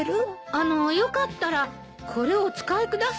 あのよかったらこれをお使いください。